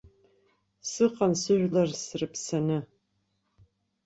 Сыҟан сыжәлар сраԥсаны.